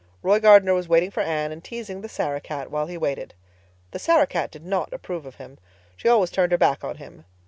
Roy Gardner was waiting for Anne and teasing the Sarah cat while he waited. The Sarah cat did not approve of him. She always turned her back on him.